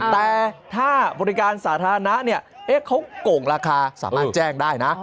แต่ถ้าบริการสาธารณะเนี่ยเขาโก่งราคาสามารถแจ้งได้นะ